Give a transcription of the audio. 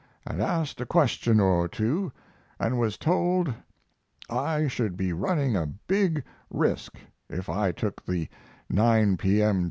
and asked a question or two and was told I should be running a big risk if I took the 9 p.m.